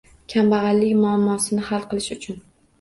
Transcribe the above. Kambag‘allik muammosini hal qilish uchun